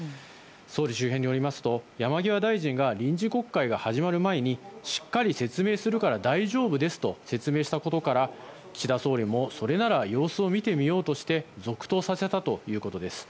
総理周辺によりますと山際大臣が臨時国会が始まる前にしっかり説明するから大丈夫ですと説明したことから岸田総理もそれなら様子を見てみようとして続投させたということです。